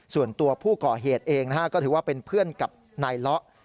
ส่วนตัวผู้ก่อเหตุเองก็ถือว่าเป็นเพื่อนกับนายเลาะ